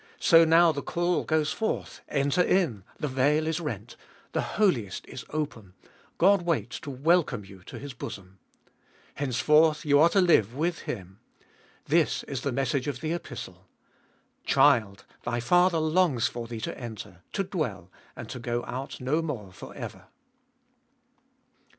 so now the call goes forth : Enter in ! the veil is rent ; the Holiest is open ; God waits to welcome you to His bosom. Henceforth you are to live with Him. This is the message of the Epistle : Child ! thy Father longs for thee to enter, to dwell, and to go out no more for ever.